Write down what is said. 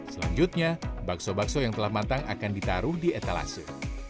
selanjutnya bakso bakso yang telah matang akan ditaruh di etalase